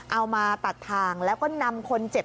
เอามาตัดทางแล้วก็นำคนเจ็บ